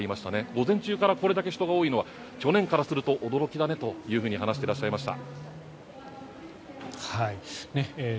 午前中からこれだけ人が多いのは去年からすると驚きだねと話していらっしゃいました。